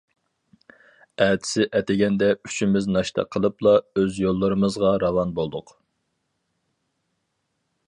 ئەتىسى ئەتىگەندە ئۈچىمىز ناشتا قىلىپلا ئۆز يوللىرىمىزغا راۋان بولدۇق.